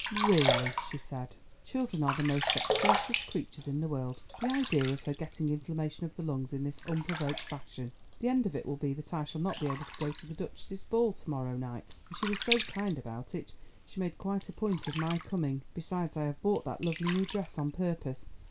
"Really," she said, "children are the most vexatious creatures in the world. The idea of her getting inflammation of the lungs in this unprovoked fashion. The end of it will be that I shall not be able to go to the duchess's ball to morrow night, and she was so kind about it, she made quite a point of my coming. Besides I have bought that lovely new dress on purpose.